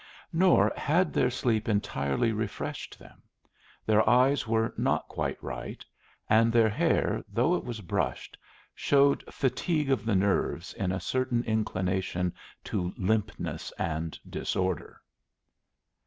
Nor had their sleep entirely refreshed them. Their eyes were not quite right, and their hair, though it was brushed, showed fatigue of the nerves in a certain inclination to limpness and disorder.